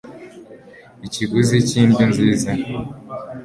Ikiguzi cy indyo nziza